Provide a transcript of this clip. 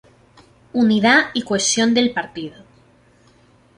Unidad y cohesión del partido.